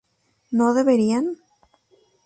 ¿no beberían?